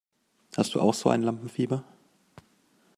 Hast du auch so ein Lampenfieber?